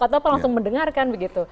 atau apa langsung mendengarkan begitu